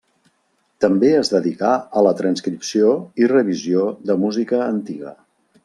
També es dedicà a la transcripció i revisió de música antiga.